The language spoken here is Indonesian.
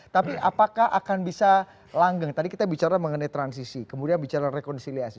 tapi apakah akan bisa langgeng tadi kita bicara mengenai transisi kemudian bicara rekonsiliasi